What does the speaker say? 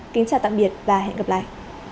kính chào tạm biệt và hẹn gặp lại